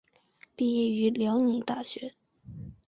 毕业于辽宁大学。